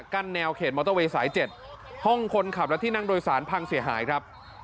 แนวเขตมอเตอร์เวย์สาย๗ห้องคนขับและที่นั่งโดยสารพังเสียหายครับ